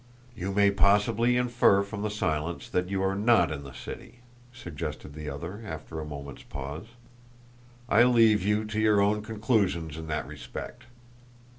"You may possibly infer from the silence that you are NOT in the city," suggested the other, after a moment's pause. "I leave you to your own conclusions in that respect.